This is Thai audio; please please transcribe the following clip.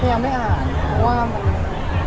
เพราะว่ามัน